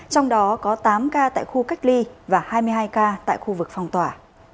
trong đó có tám ca tại khu cách ly và hai mươi hai ca tại khu vực phong tỏa